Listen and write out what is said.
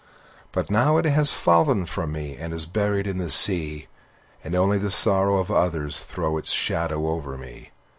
But now it has fallen from me, It is buried in the sea; And only the sorrow of others Throws its shadow over me.